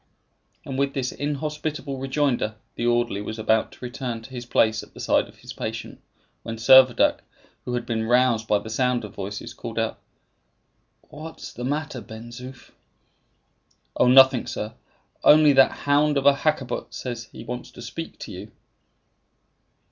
And with this inhospitable rejoinder the orderly was about to return to his place at the side of his patient, when Servadac, who had been roused by the sound of voices, called out, "What's the matter, Ben Zoof?" "Oh, nothing, sir; only that hound of a Hakkabut says he wants to speak to you."